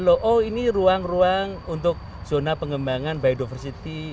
oh ini ruang ruang untuk zona pengembangan biodiversity